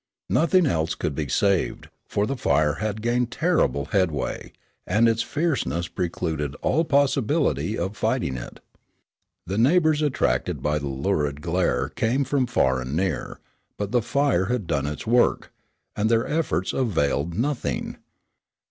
Nothing else could be saved, for the fire had gained terrible headway, and its fierceness precluded all possibility of fighting it. The neighbors attracted by the lurid glare came from far and near, but the fire had done its work, and their efforts availed nothing.